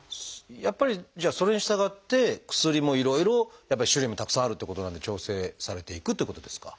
やっぱりじゃあそれにしたがって薬もいろいろやっぱり種類もたくさんあるっていうことなんで調整されていくっていうことですか？